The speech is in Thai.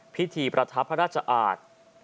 พิธีพระทพระระชาอาจ